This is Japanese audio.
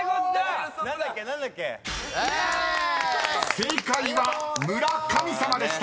［正解は「村神様」でした］